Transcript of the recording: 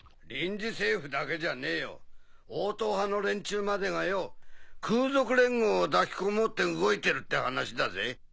臨時政府だけじゃねえよ王党派の連中までがよ空賊連合を抱き込もうって動いてるって話だぜ。